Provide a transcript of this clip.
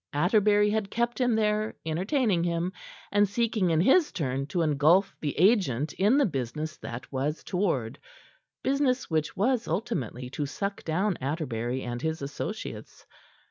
Atterbury had kept him there, entertaining him, and seeking in his turn to engulf the agent in the business that was toward business which was ultimately to suck down Atterbury and his associates.